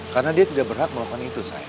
karena dia tidak berhak melakukan itu saya